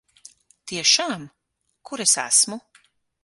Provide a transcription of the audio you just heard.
Tiešām? Kur es esmu?